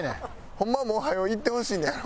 ホンマはもう早う行ってほしいんやろ？